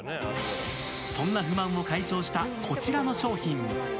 そんな不満を解消したこちらの商品。